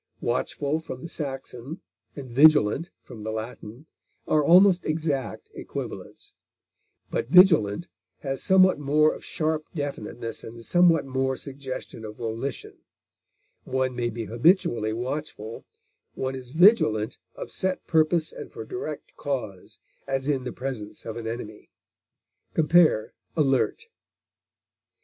Watchful, from the Saxon, and vigilant, from the Latin, are almost exact equivalents; but vigilant has somewhat more of sharp definiteness and somewhat more suggestion of volition; one may be habitually watchful; one is vigilant of set purpose and for direct cause, as in the presence of an enemy. Compare ALERT.